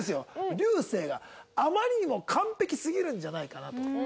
流星があまりにも完璧すぎるんじゃないかなと。